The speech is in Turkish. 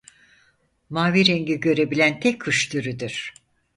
Mavi rengi görebilen tek kuş türüdür.